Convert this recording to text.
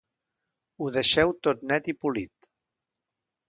Ho deixeu tot net i polit.